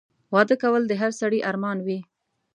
واده کول د هر سړي ارمان وي